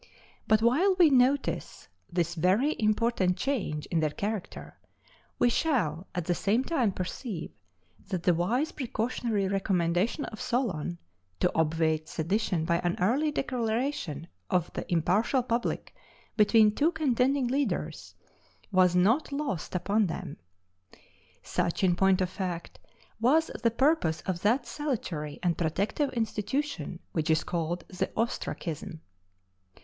But while we notice this very important change in their character, we shall at the same time perceive that the wise precautionary recommendation of Solon, to obviate sedition by an early declaration of the impartial public between two contending leaders, was not lost upon them. Such, in point of fact, was the purpose of that salutary and protective institution which is called the Ostracism.